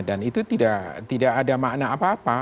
dan itu tidak ada makna apa apa